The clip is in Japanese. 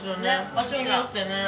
場所によってね。